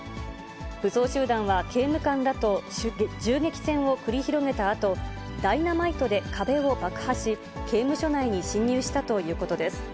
武装集団は刑務官らと銃撃戦を繰り広げたあと、ダイナマイトで壁を爆破し、刑務所内に侵入したということです。